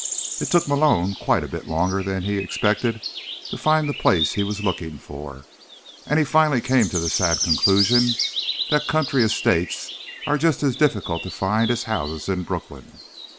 It took Malone quite a bit longer than he expected to find the place he was looking for, and he finally came to the sad conclusion that country estates are just as difficult to find as houses in Brooklyn.